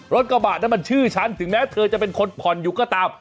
กระบะนั้นมันชื่อฉันถึงแม้เธอจะเป็นคนผ่อนอยู่ก็ตาม